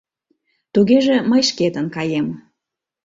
Тугеже мый шкетын каем.